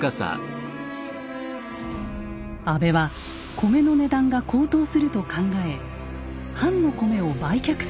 安倍は米の値段が高騰すると考え藩の米を売却することを進言します。